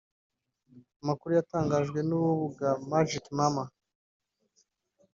Amakuru yatangajwe n’urubuga magicmaman